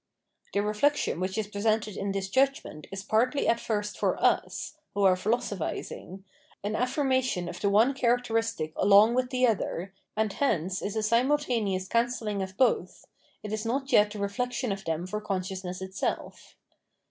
The reflection which is presented in this judgment is partly at flrst for us [who are philosophising] an affirmation of the one characteristic along with the other, and hence is a simultaneous cancelling of both ; it is not yet the reflection of them for consciousness itself.